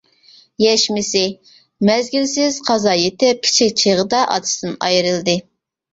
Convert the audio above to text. يەشمىسى :مەزگىلسىز قازا يىتىپ كىچىك چىغىدا ئاتىسىدىن ئايرىلدى.